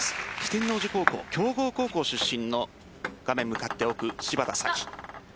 天王寺高校強豪高校出身の画面向かって奥、芝田沙季。